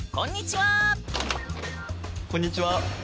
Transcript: こんにちは！